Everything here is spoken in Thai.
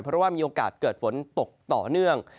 เพราะว่ามีโอกาสเกิดฝนตกต่อเนื่อง